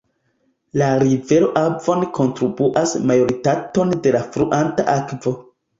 La rivero Avon kontribuas majoritaton de la fluanta akvo.